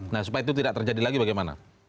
nah supaya itu tidak terjadi lagi bagaimana